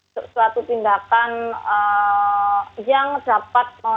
suatu tindakan yang dapat